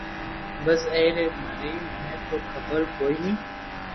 بس اي ري مري مني تو حبر ڪوئي ني